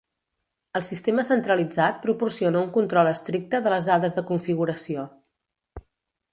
El sistema centralitzat proporciona un control estricte de les dades de configuració.